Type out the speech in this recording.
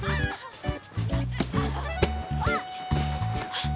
あっ！